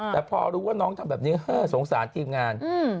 แต่พอรู้ว่าน้องทำแบบนี้สงสารทีมงาน